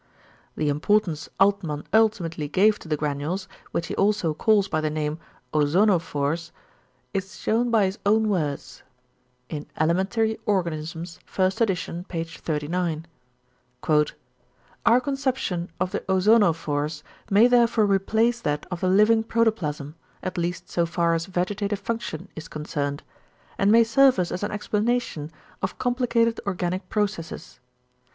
The importance Altmann ultimately gave to the granules, which he also calls by the name "=Ozonophores=" is shewn by his own words (Elementary Organisms, 1st edit., p. 39): "Our conception of the ozonophores may therefore replace that of the living protoplasm, at least so far as vegetative function is concerned; and may serve us as an explanation of complicated organic processes.